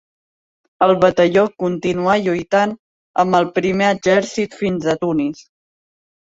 El batalló continuà lluitant amb el Primer Exèrcit fins a Tunis.